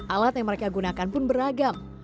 alat yang mereka gunakan pun beragam